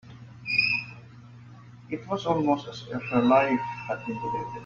It was almost as if her life had been deleted.